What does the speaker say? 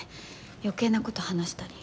余計な事話したり。